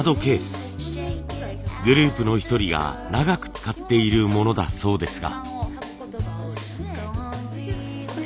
グループの一人が長く使っているものだそうですが。